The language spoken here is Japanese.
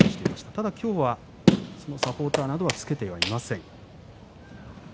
ただ今日はサポーターなどはつけていません。